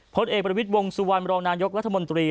พลตเอกบริวิทย์วงสุวรรณบรรณายกรรภรรภ์มนตรี